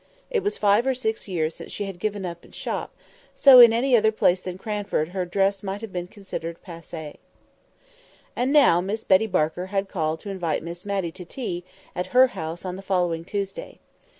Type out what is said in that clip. It was five or six years since she had given up shop, so in any other place than Cranford her dress might have been considered passée. And now Miss Betty Barker had called to invite Miss Matty to tea at her house on the following Tuesday.